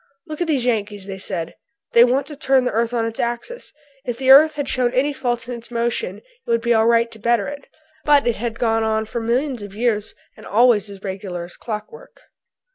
"Look at these Yankees," they said, "they want to turn the earth on its axis. If the earth had shown any faults in its motion it would be all right to better it, but it had gone on for millions of years and always as regularly as clockwork."